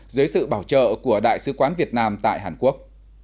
dưới sự bảo trợ của đại sứ quán việt nam tại hàn quốc